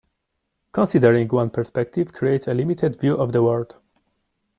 Considering one perspective creates a limited view of the world.